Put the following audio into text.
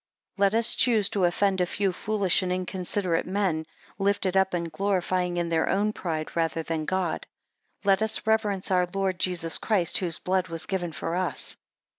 5 Let us choose to offend a few foolish and inconsiderate men, lifted up and glorying in their own pride, rather than God. 6 Let us reverence our Lord Jesus Christ whose blood was given for us.